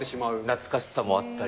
懐かしさもあったり。